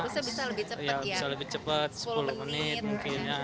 seharusnya bisa lebih cepat ya sepuluh menit mungkin